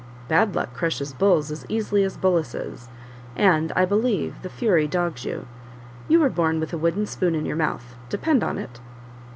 "Bad luck crushes bulls as easily as bullaces; and, I believe, the fury dogs you: you were born with a wooden spoon in your mouth, depend on it."